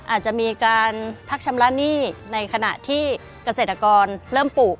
อาจจะมีการพักชำระหนี้ในขณะที่เกษตรกรเริ่มปลูก